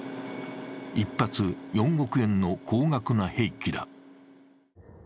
１発４億円の高額な兵器だ。